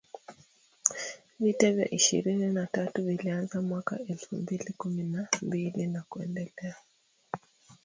Vita vya ishirini na tatu vilianza mwaka elfu mbili kumi na mbili na kuendelea